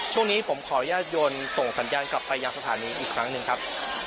ช่วงนี้ผมขออนุญาตยนต์ส่งสัญญาณกลับไปยังสถานีอีกครั้งหนึ่งครับ